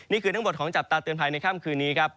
นี่คือทั้งหมดของจับตาเตือนภัยในค่ำคืนนี้ครับ